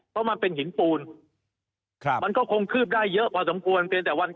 เพราะมันเป็นหินปูนมันก็คงคืบได้เยอะพอสมควร